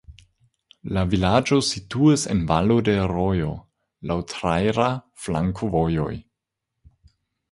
La vilaĝo situas en valo de rojo, laŭ traira flankovojoj.